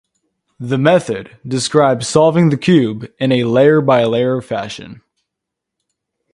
The method describes solving the cube in a layer-by-layer fashion.